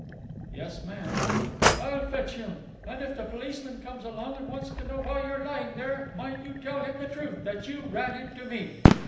"Yes, ma'am." "I'll fetch him. And if the policeman comes along and wants to know why you're lying there, mind you tell him the truth, that you ran into me."